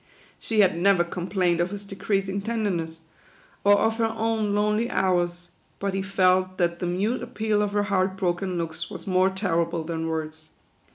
She had never com plained of his decreasing tenderness, or of her own lonely hours ; but he felt that the mute appeal of her heart broken looks was more terrible than words.